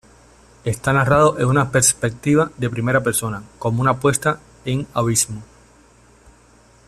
Esta narrado en una perspectiva de primera persona, como una puesta en abismo.